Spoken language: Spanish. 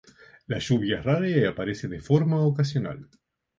La lluvia es rara y aparece de forma ocasional.